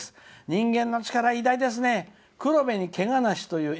人間って偉大ですね。